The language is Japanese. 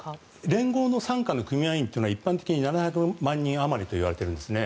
連合の傘下の組合員というのは一般的に７００万人余りといわれているんですね。